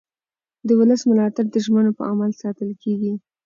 د ولس ملاتړ د ژمنو په عمل ساتل کېږي